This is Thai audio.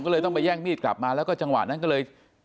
ก็เลยต้องไปแย่งมีดกลับมาแล้วก็จังหวะนั้นก็เลย